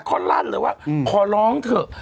เขาลั่นเลยว่าขอร้องเถอะ